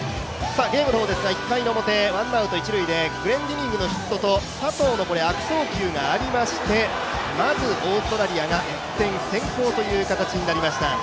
ゲームのほうですが、１回の表、ワンアウト、一塁でグレンディニングのヒットと、佐藤の悪送球がありまして、まずオーストラリアが１点先行という形になりました。